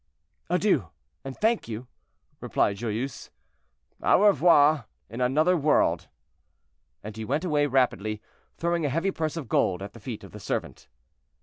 "Adieu, and thank you," replied Joyeuse. "Au revoir in another world." And he went away rapidly, throwing a heavy purse of gold at the feet of the servant.